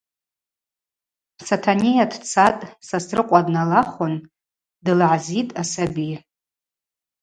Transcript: Сатанейа дцатӏ Сосрыкъва дналахвын, дылгӏзитӏ асаби.